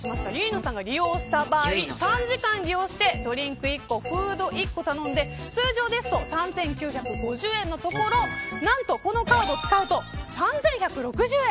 利用した場合、３時間利用してドリンク１つ、フード１つ頼んで通常だと３９５０円のところこのカードを使うと３１６０円。